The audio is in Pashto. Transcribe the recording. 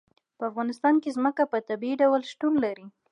په افغانستان کې ځمکه په طبیعي ډول شتون لري.